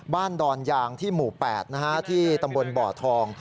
ดอนยางที่หมู่๘ที่ตำบลบ่อทอง